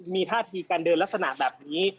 มีท่าทีการเดินลักษณะแบบนี้